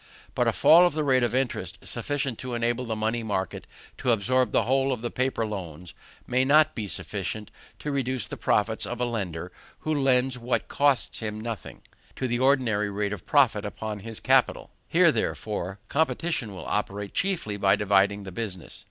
But a fall of the rate of interest, sufficient to enable the money market to absorb the whole of the paper loans, may not be sufficient to reduce the profits of a lender who lends what costs him nothing, to the ordinary rate of profit upon his capital. Here, therefore, competition will operate chiefly by dividing the business.